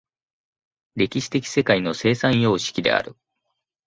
歴史的世界の生産様式である。